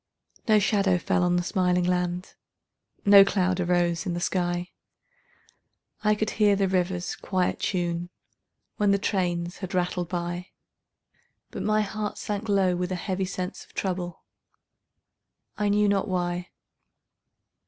No shadow fell on the smiling land, No cloud arose in the sky; I could hear the river's quiet tune When the trains had rattled by; But my heart sank low with a heavy sense Of trouble, I knew not why.